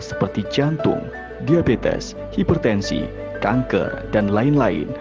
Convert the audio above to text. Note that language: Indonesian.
seperti jantung diabetes hipertensi kanker dan lain lain